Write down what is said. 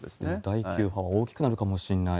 第９波は大きくなるかもしれない。